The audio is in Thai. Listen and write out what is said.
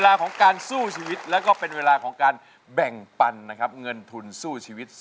รายการต่อไปนี้เป็นรายการทั่วไปสามารถรับชมได้ทุกวัย